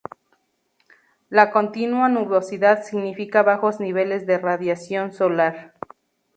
La continua nubosidad significa bajos niveles de radiación solar.